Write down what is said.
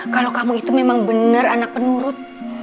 kalau kamu itu memang benar anak penurut